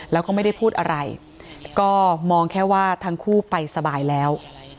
แล้วก็ไม่ได้พูดอะไรก็มองแค่ว่าทั้งคู่ไปสบายแล้ว